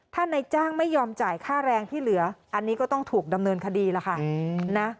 ถ้านายจ้างไม่ยอมจ่ายค่าแรงที่เหลืออันนี้ก็ต้องถูกดำเนินคดีล่ะค่ะนะ